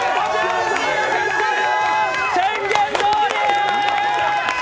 宣言どおり！